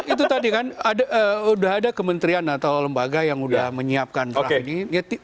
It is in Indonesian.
itu tadi kan udah ada kementerian atau lembaga yang sudah menyiapkan draft ini